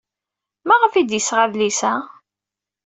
Maɣef ay d-yesɣa adlis-a?